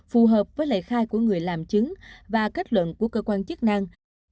phù hợp với lời khai của người làm chứng và kết luận của cơ quan chức năng